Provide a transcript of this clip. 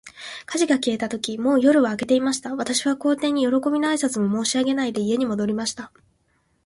火事が消えたとき、もう夜は明けていました。私は皇帝に、よろこびの挨拶も申し上げないで、家に戻りました。